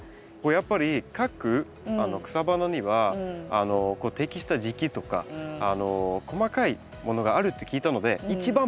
やっぱり各草花には適した時期とか細かいものがあるって聞いたので一番